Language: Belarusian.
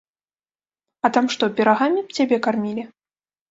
А там што, пірагамі б цябе кармілі?